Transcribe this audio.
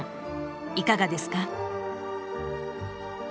いかがですか？